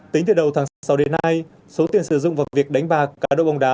tính từ đầu tháng sáu đến nay số tiền sử dụng vào việc đánh bạc cá độ bóng đá